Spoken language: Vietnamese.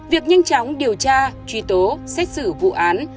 việc nhanh chóng điều tra truy tố xét xử vụ án